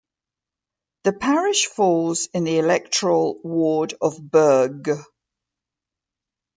The Parish falls in the electoral ward of Burgh.